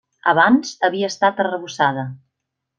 Abans havia estat arrebossada.